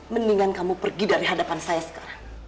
mendingan kamu pergi dari hadapan saya sekarang